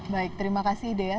baik terima kasih dea